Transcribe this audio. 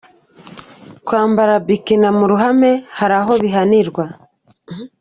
Kwambara “Bikini” mu ruhame hari aho bihanirwa .